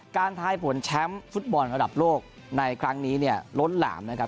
การถ่ายผลแชมป์ฟุตบอลระดับโลกในครั้งนี้ลดหลามนะครับ